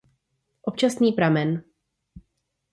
Občasný pramen.